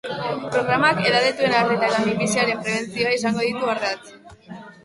Programak edadetuen arreta eta minbiziaren prebentzioa izango ditu ardatz.